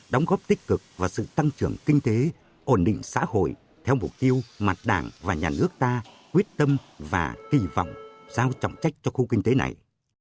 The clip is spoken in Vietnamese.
đóng góp tích cực vào sự tăng trưởng kinh tế ổn định xã hội theo mục tiêu mặt đảng và nhà nước ta quyết tâm và kỳ vọng giao trọng trách cho khu kinh tế này